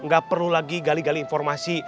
gak perlu lagi gali gali informasi